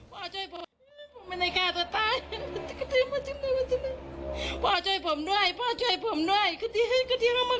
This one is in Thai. พ่อช่วยผมด้วยผมไม่ได้ฆ่าตัวตาย